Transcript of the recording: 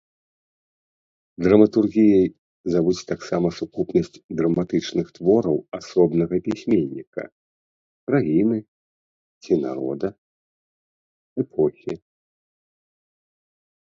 Драматургіяй завуць таксама сукупнасць драматычных твораў асобнага пісьменніка, краіны ці народа, эпохі.